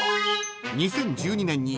［２０１２年に］